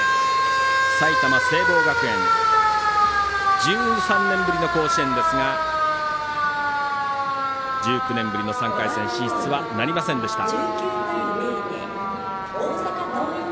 埼玉、聖望学園１３年ぶりの甲子園ですが１９年ぶりの３回戦進出はなりませんでした。